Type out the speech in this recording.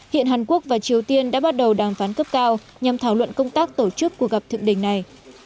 hiện hàn quốc và triều tiên đã bắt đầu đàm phán cấp cao nhằm thảo luận công tác tổ chức cuộc gặp thượng đỉnh này